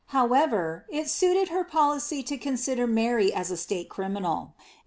Hi.'wever, it suited her policy to consider Mary as a state criminal, and